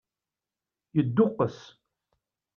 Yedduqqes.